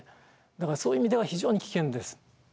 だからそういう意味では非常に危険です。